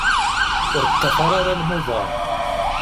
Ur ṭṭafar ara lmuḍa.